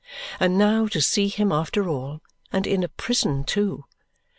And now to see him after all, and in a prison too!